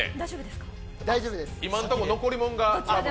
今のところ残り物が。